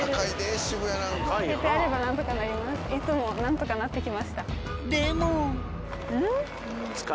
いつも何とかなって来ました。